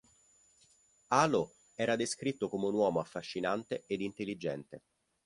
Alo era descritto come un uomo affascinante ed intelligente.